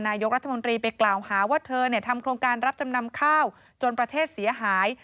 นายกรัฐมนตรีไปกล่าวหาว่าเธอทำโครงการรับจำนำข้าวจนประเทศเสียหาย